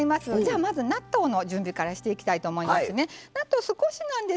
まず納豆の準備からしていきたいと思います。